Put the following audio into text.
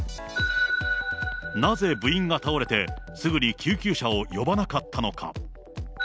なぜ部員が倒れて、すぐに救急車を呼ばなかったのか。